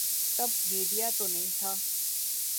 تب میڈیا تو نہیں تھا۔